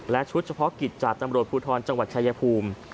และชุดเฉพาะกิจจากตำรวจภูทรจังหวัดชายภูมิ